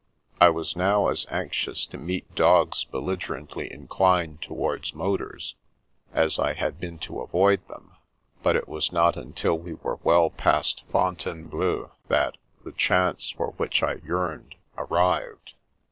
I was now as anxious to meet dogs belligercftitly inclined towards motors, as I had been to avoid them, but it was not until we were well past Fontainebleau that the chance for which I yearned, arrived.